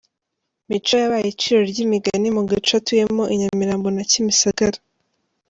Mico yabaye iciro ry’imigani mu gace atuyemo i Nyamirambo na Kimisagara.